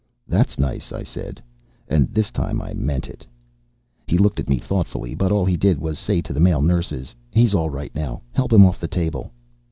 "That's nice," I said, and this time I meant it. He looked at me thoughtfully, but all he did was say to the male nurses, "He's all right now. Help him off the table."